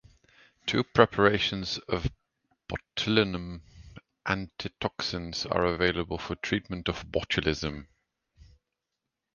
Two preparations of botulinum antitoxins are available for treatment of botulism.